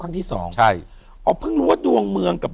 อยู่ที่แม่ศรีวิรัยิลครับ